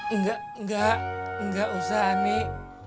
enggak enggak enggak usah nik